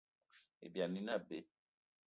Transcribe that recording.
Ibyani ine abe.